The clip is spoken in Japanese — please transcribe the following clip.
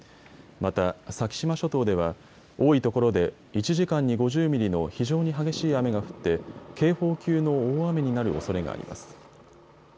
また、先島諸島では多いところで１時間に５０ミリの非常に激しい雨が降って警報級の大雨になるおそれがあります。